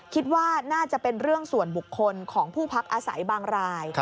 คิดว่าน่าจะเป็นเรื่องส่วนบุคคลของผู้พักอาศัยบางราย